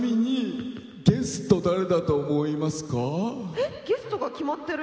えっゲストが決まってる？